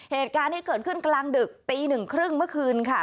เหตุการณ์ที่เกิดขึ้นกลางดึกตีหนึ่งครึ่งเมื่อคืนค่ะ